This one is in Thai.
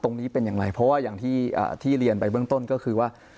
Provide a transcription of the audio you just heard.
ตรงนี้เป็นอย่างไรเพราะว่าอย่างที่เรียนไปเบื้องต้นก็คือว่า